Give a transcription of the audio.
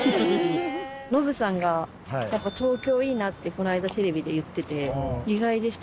ノブさんが「やっぱ東京いいな」ってこの間テレビで言ってて意外でした。